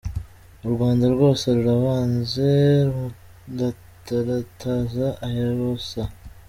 U Rwanda rwose rurabanze, muratarataza ay’ubusa.